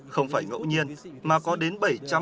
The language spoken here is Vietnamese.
không phải ngẫu nhiên mà có đến bảy trăm bảy mươi bảy